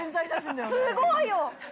すごいよ。